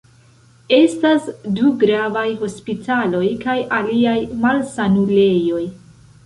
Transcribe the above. Estas du gravaj hospitaloj kaj aliaj malsanulejoj.